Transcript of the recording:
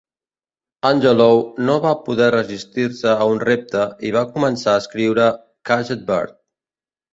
Angelou no va poder resistir-se a un repte i va començar a escriure "Caged Bird".